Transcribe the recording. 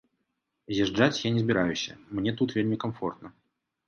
З'язджаць я не збіраюся, мне тут вельмі камфортна.